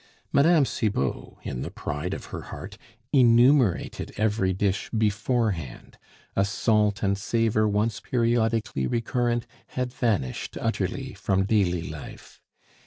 Mme. Cibot, in the pride of her heart, enumerated every dish beforehand; a salt and savor once periodically recurrent, had vanished utterly from daily life.